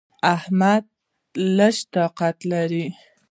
احمد لږ طاقت لري.